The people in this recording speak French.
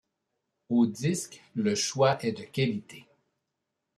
Au disque, le choix est de qualité.